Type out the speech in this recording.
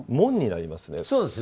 そうですね。